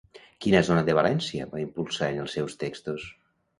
Quina zona de València va impulsar en els seus textos?